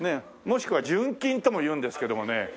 もしくは純金ともいうんですけどもね。